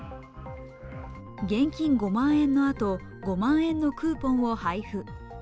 現金５万円のあと、５万円のクーポンを配布。